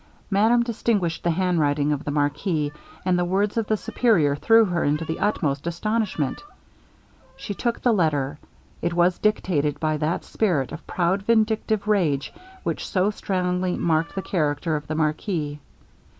Madame distinguished the handwriting of the marquis, and the words of the Superior threw her into the utmost astonishment. She took the letter. It was dictated by that spirit of proud vindictive rage, which so strongly marked the character of the marquis.